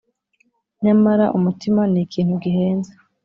nyamara umutima nikintu gihenze